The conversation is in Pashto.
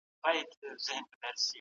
ښوونکي په ټولګیو کي نوي درسونه تدریسوي.